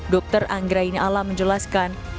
dr anggraini alam menjelaskan